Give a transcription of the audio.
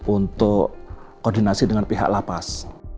untuk koordinasi dengan pihak lapas